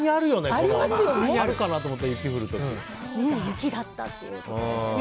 雪降った日雪だったということですね。